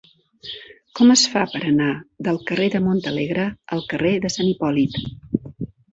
Com es fa per anar del carrer de Montalegre al carrer de Sant Hipòlit?